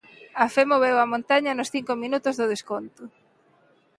A fe moveu a montaña nos cinco minutos do desconto.